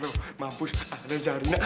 lalu mampus ada zarina